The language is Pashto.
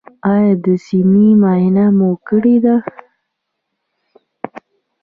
ایا د سینې معاینه مو کړې ده؟